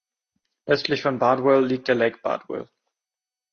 Östlich von Bardwell liegt der Lake Bardwell.